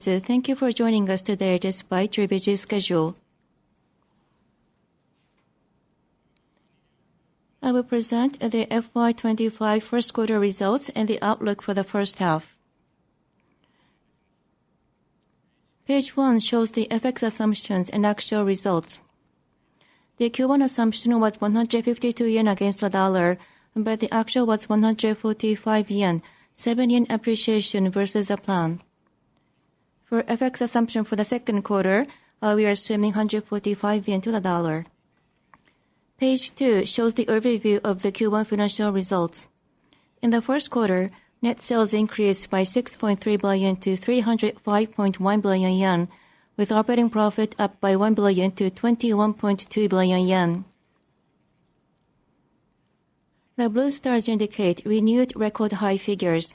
Thank you for joining us today despite your busy schedule. I will present the FY 2025 first quarter results and the outlook for the first half. Page one shows the FX assumptions and actual results. The Q1 assumption was ¥152 against the dollar, but the actual was 145 yen, 7 yen appreciation versus the plan. For FX assumption for the second quarter, we are assuming 145 to the dollar. Page two shows the overview of the Q1 financial results. In the first quarter, net sales increased by 6.3 billion to 305.1 billion yen, with operating profit up by 1 billion-21.2 billion yen. The blue stars indicate renewed record high figures.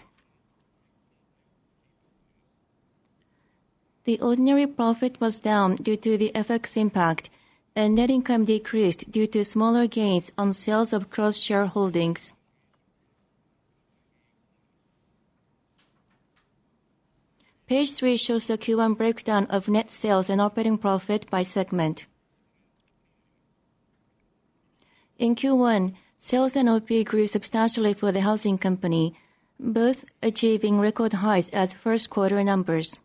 The ordinary profit was down due to the FX impact, and net income decreased due to smaller gains on sales of cross-shareholding sales. Page three shows the Q1 breakdown of net sales and operating profit by segment. In Q1, sales and operating profit grew substantially for the Housing company, both achieving record highs as first quarter numbers.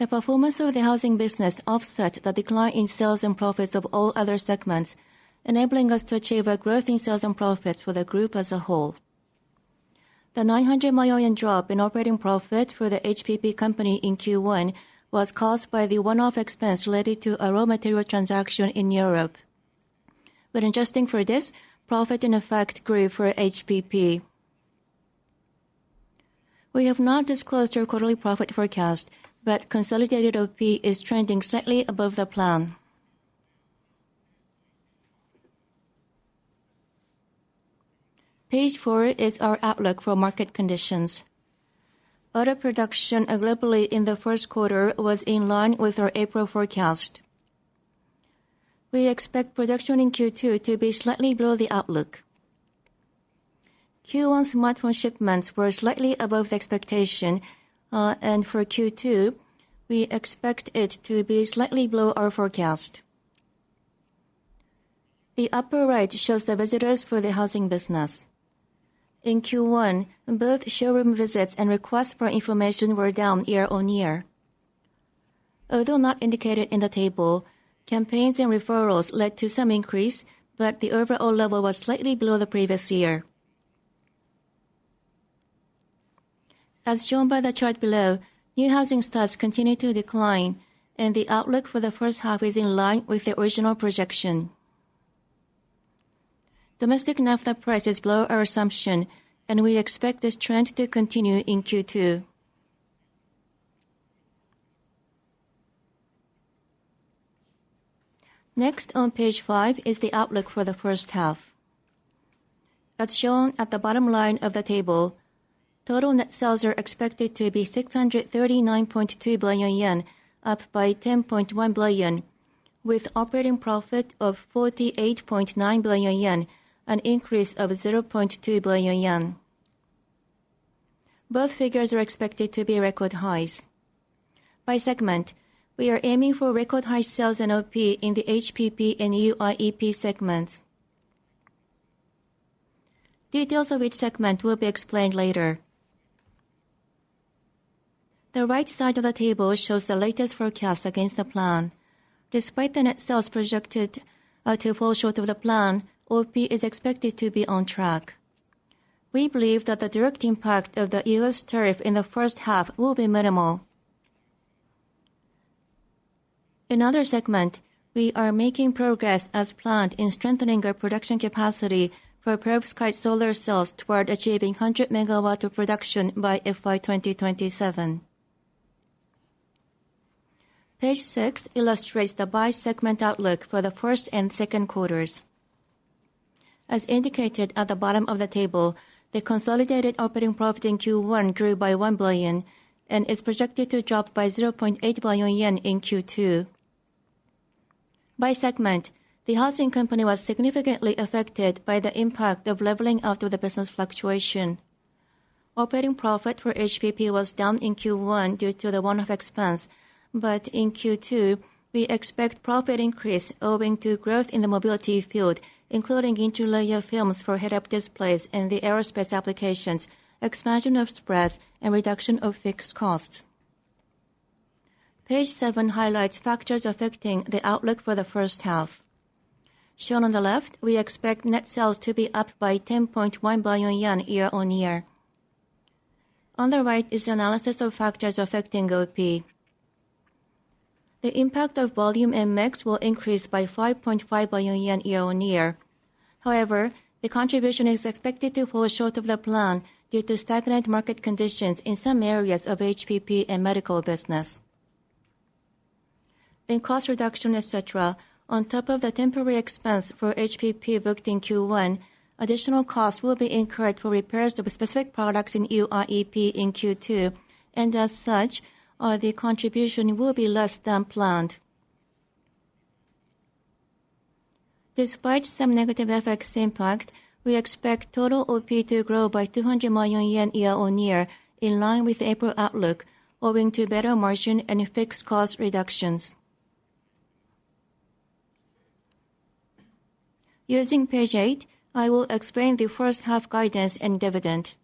The performance of the Housing business offset the decline in sales and profits of all other segments, enabling us to achieve a growth in sales and profits for the group as a whole. The JPY 900 million drop in operating profit for the HPP company in Q1 was caused by the one-off raw material expense related to a transaction in Europe. When adjusting for this, profit in effect grew for HPP. We have not disclosed their quarterly profit forecast, but consolidated operating profit is trending slightly above the plan. Page four is our outlook for market conditions. Auto production globally in the first quarter was in line with our April forecast. We expect production in Q2 to be slightly below the outlook. Q1 smartphone shipments were slightly above expectation, and for Q2, we expect it to be slightly below our forecast. The upper right shows the visitors for the Housing business. In Q1, both showroom visits and requests for information were down year-on-year. Although not indicated in the table, campaigns and referrals led to some increase, but the overall level was slightly below the previous year. As shown by the chart below, new housing stocks continue to decline, and the outlook for the first half is in line with the original projection. Domestic NAFTA prices are below our assumption, and we expect this trend to continue in Q2. Next on page five is the outlook for the first half. As shown at the bottom line of the table, total net sales are expected to be 639.2 billion yen, up by 10.1 billion, with operating profit of 48.9 billion yen, an increase of 0.2 billion yen. Both figures are expected to be record highs. By segment, we are aiming for record high sales and operating profit in the HPP and UIEP segments. Details of each segment will be explained later. The right side of the table shows the latest forecast against the plan. Despite the net sales projected to fall short of the plan, operating profit is expected to be on track. We believe that the direct impact of the U.S. tariff in the first half will be minimal. In another segment, we are making progress as planned in strengthening our production capacity for perovskite solar cells toward achieving 100 megawatts of production by FY 2027. Page 6 illustrates the by segment outlook for the first and second quarters. As indicated at the bottom of the table, the consolidated operating profit in Q1 grew by 1 billion and is projected to drop by 0.8 billion yen in Q2. By segment, the Housing company was significantly affected by the impact of leveling after the business fluctuation. Operating profit for HPP was down in Q1 due to the one-off raw material expense, but in Q2, we expect profit increase owing to growth in the mobility field, including interlayer films for head-up displays and the aerospace applications, expansion of spreads, and reduction of fixed costs. Page seven highlights factors affecting the outlook for the first half. Shown on the left, we expect net sales to be up by 10.1 billion yen year-on-year. On the right is an analysis of factors affecting operating profit. The impact of volume and mix will increase by 5.5 billion yen year-on-year. However, the contribution is expected to fall short of the plan due to stagnant market conditions in some areas of HPP and Medical business. In cost reduction, etc., on top of the temporary expense for HPP booked in Q1, additional costs will be incurred for repairs of specific products in UIEP in Q2, and as such, the contribution will be less than planned. Despite some negative FX impact, we expect total operating profit to grow by 0.2 billion yen year on-year, in line with April outlook, owing to better margin and fixed cost reductions. Using page eight, I will explain the first half guidance and dividend.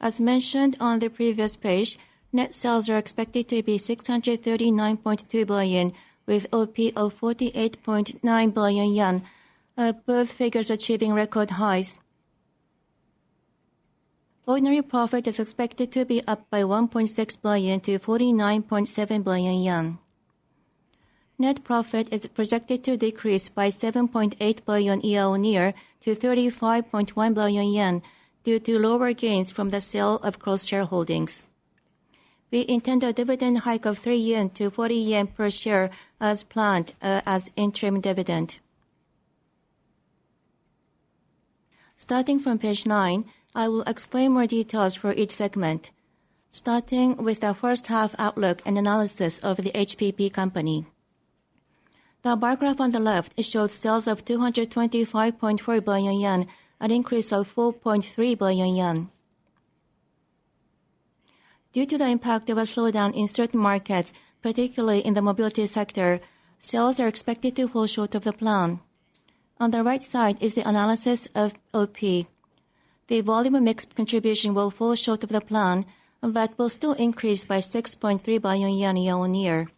As mentioned on the previous page, net sales are expected to be 639.2 billion, with operating profit of 48.9 billion yen, both figures achieving record highs. Ordinary profit is expected to be up by 1.6 billion to 49.7 billion yen. Net profit is projected to decrease by 7.8 billion yen year-on-year to 35.1 billion yen due to lower gains from the sale of cross-shareholding sales. We intend a dividend hike of 3-40 yen per share as planned as interim dividend. Starting from page nine, I will explain more details for each segment, starting with the first half outlook and analysis of the HPP company. The bar graph on the left shows sales of 225.4 billion yen, an increase of 4.3 billion yen. Due to the impact of a slowdown in certain markets, particularly in the mobility sector, sales are expected to fall short of the plan. On the right side is the analysis of OP. The volume and mix contribution will fall short of the plan, but will still increase by 6.3 billion yen year-on-year.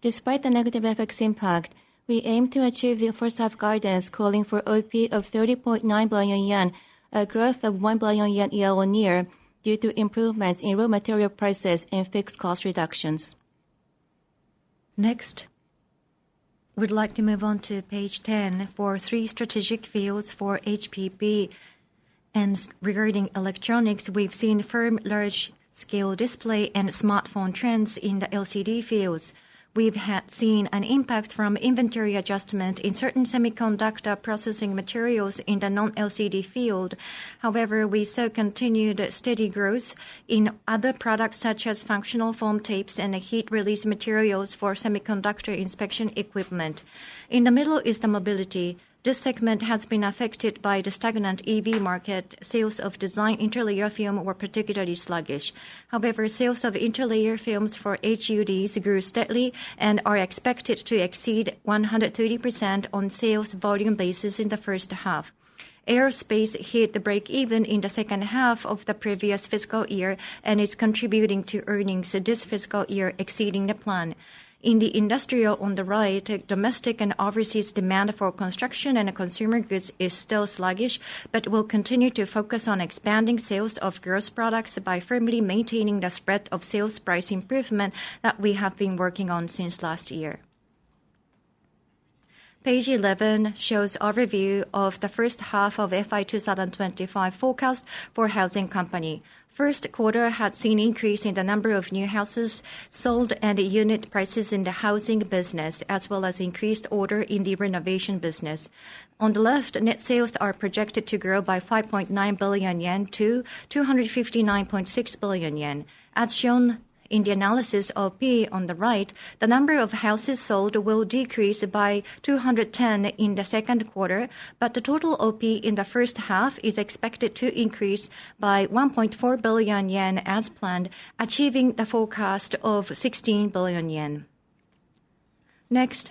Despite the negative FX impact, we aim to achieve the first half guidance calling for OP of 30.9 billion yen, a growth of 1 billion yen year-on-year due to improvements in raw material prices and fixed cost reductions. Next, we would like to move on to page 10 for three strategic fields for HPP. Regarding electronics, we have seen firm large-scale display and smartphone trends in the LCD fields. We have seen an impact from inventory adjustment in certain semiconductor processing materials in the non-LCD field. However, we saw continued steady growth in other products such as functional foam tapes and heat release materials for semiconductor inspection equipment. In the middle is the mobility. This segment has been affected by the stagnant EV market. Sales of design interlayer films were particularly sluggish. However, sales of interlayer films for head-up displays grew steadily and are expected to exceed 130% on sales volume basis in the first half. Aerospace hit the break-even in the second half of the previous fiscal year and is contributing to earnings this fiscal year exceeding the plan. In the industrial on the right, domestic and overseas demand for construction and consumer goods is still sluggish, but will continue to focus on expanding sales of gross products by firmly maintaining the spread of sales price improvement that we have been working on since last year. Page 11 shows an overview of the first half of FY 2025 forecast for the Housing company. The first quarter had seen an increase in the number of new houses sold and unit prices in the Housing business, as well as increased order in the renovation business. On the left, net sales are projected to grow by 5.9 billion yen to 259.6 billion yen. As shown in the analysis of OP on the right, the number of houses sold will decrease by 210 in the second quarter, but the total OP in the first half is expected to increase by 1.4 billion yen as planned, achieving the forecast of 16 billion yen. Next,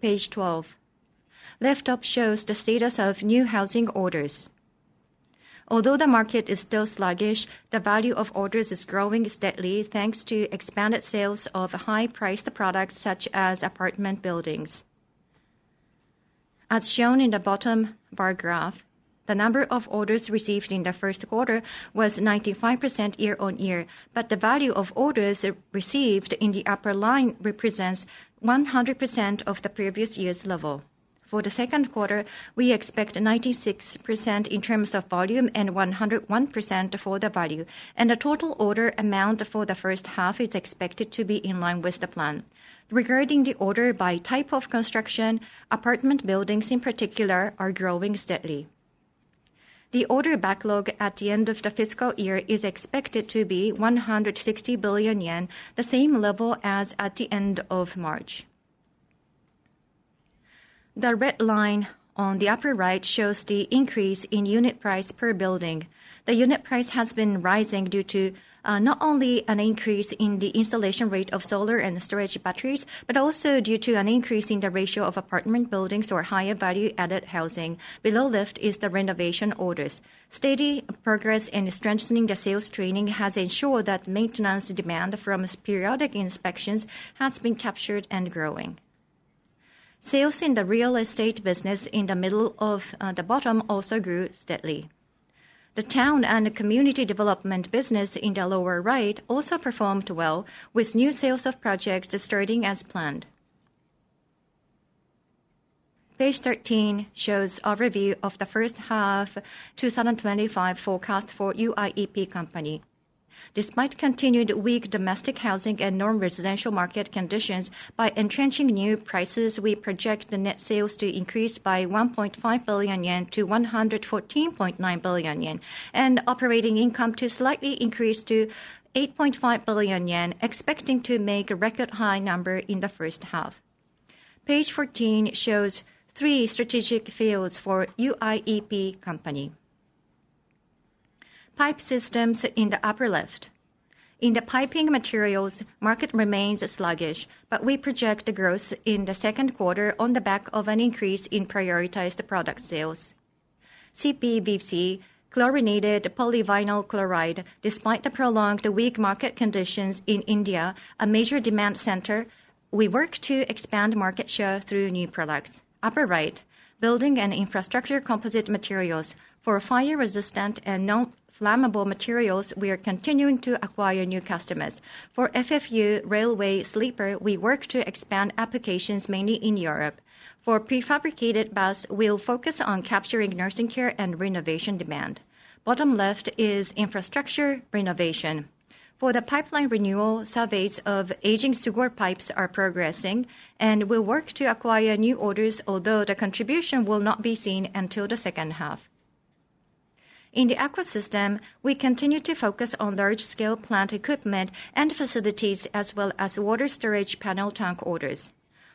page 12. Left up shows the status of new housing orders. Although the market is still sluggish, the value of orders is growing steadily thanks to expanded sales of high-priced products such as apartment buildings. As shown in the bottom bar graph, the number of orders received in the first quarter was 95% year-on-year, but the value of orders received in the upper line represents 100% of the previous year's level. For the second quarter, we expect 96% in terms of volume and 101% for the value, and the total order amount for the first half is expected to be in line with the plan. Regarding the order by type of construction, apartment buildings in particular are growing steadily. The order backlog at the end of the fiscal year is expected to be 160 billion yen, the same level as at the end of March. The red line on the upper right shows the increase in unit price per building. The unit price has been rising due to not only an increase in the installation rate of solar and storage batteries, but also due to an increase in the ratio of apartment buildings or higher value-added housing. Below left is the renovation orders. Steady progress in strengthening the sales training has ensured that maintenance demand from periodic inspections has been captured and growing. Sales in the real estate business in the middle of the bottom also grew steadily. The town and community development business in the lower right also performed well, with new sales of projects starting as planned. Page 13 shows an overview of the first half 2025 forecast for the UIEP company. Despite continued weak domestic housing and non-residential market conditions, by entrenching new prices, we project net sales to increase by 1.5 billion yen to 114.9 billion yen, and operating income to slightly increase to 8.5 billion yen, expecting to make a record high number in the first half. Page 14 shows three strategic fields for the UIEP company. Pipe systems in the upper left. In the piping materials, the market remains sluggish, but we project growth in the second quarter on the back of an increase in prioritized product sales. CPVC, chlorinated polyvinyl chloride, despite the prolonged weak market conditions in India, a major demand center, we work to expand market share through new products. Upper right, building and infrastructure composite materials. For fire-resistant and non-flammable materials, we are continuing to acquire new customers. For FFU railway sleeper, we work to expand applications mainly in Europe. For prefabricated baths, we will focus on capturing nursing care and renovation demand. Bottom left is infrastructure renovation. For the pipeline renewal, surveys of aging sewer pipes are progressing, and we will work to acquire new orders, although the contribution will not be seen until the second half. In the aqua system, we continue to focus on large-scale plant equipment and facilities, as well as water storage panel tank orders.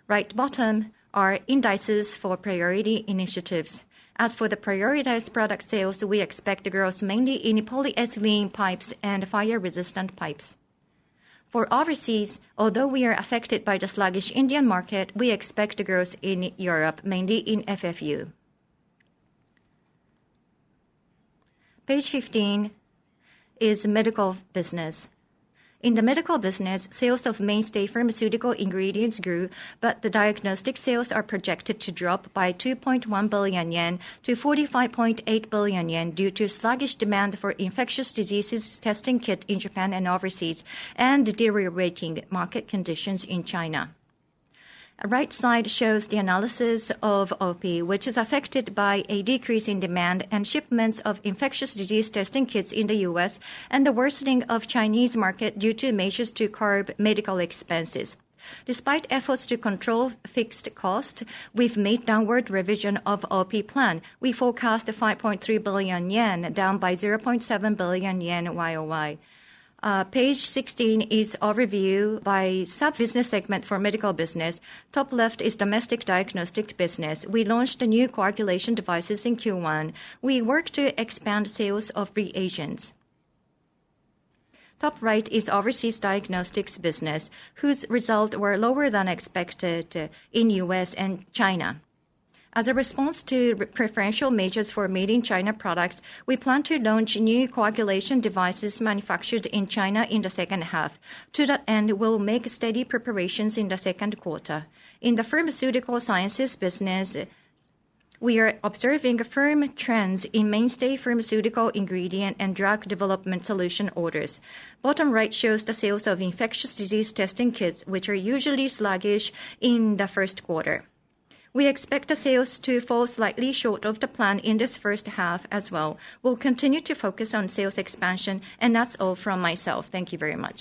Right bottom are indices for priority initiatives. As for the prioritized product sales, we expect growth mainly in polyethylene pipes and fire-resistant pipes. For overseas, although we are affected by the sluggish Indian market, we expect growth in Europe, mainly in FFU. Page 15 is medical business. In the medical business, sales of mainstay pharmaceutical ingredient grew, but the diagnostic sales are projected to drop by 2.1 billion yen to 45.8 billion yen due to sluggish demand for infectious disease testing kits in Japan and overseas, and deteriorating market conditions in China. The right side shows the analysis of operating profit, which is affected by a decrease in demand and shipments of infectious disease testing kits in the U.S., and the worsening of the Chinese market due to measures to curb medical expenses. Despite efforts to control fixed costs, we have made a downward revision of the operating profit plan. We forecast 5.3 billion yen, down by 0.7 billion yen year-over-year. Page 16 is an overview by sub-business segment for medical business. Top left is domestic diagnostic business. We launched new coagulation devices in Q1. We work to expand sales of reagents. Top right is overseas diagnostics business, whose results were lower than expected in the U.S. and China. As a response to preferential measures for made-in-China products, we plan to launch new coagulation devices manufactured in China in the second half. To that end, we will make steady preparations in the second quarter. In the pharmaceutical sciences business, we are observing firm trends in mainstay pharmaceutical ingredient and drug development solution orders. Bottom right shows the sales of infectious disease testing kits, which are usually sluggish in the first quarter. We expect the sales to fall slightly short of the plan in this first half as well. We'll continue to focus on sales expansion, and that's all from myself. Thank you very much.